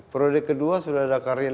periode kedua sudah ada karya lima tahun